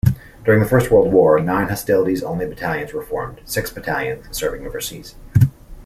During the First World War, nine hostilities-only battalions were formed, six battalions serving overseas.